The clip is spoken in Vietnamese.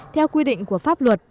theo quy định của pháp luật